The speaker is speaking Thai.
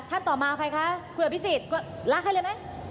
ท่านต่อมาใครคะคุยกับพิศิษฐ์ลากให้เลยมั้ย